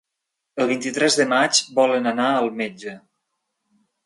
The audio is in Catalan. El vint-i-tres de maig volen anar al metge.